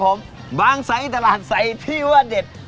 ครับผมบางใสตลาดใสที่ว่าเด็ด